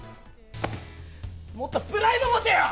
もっとプライド持てよ。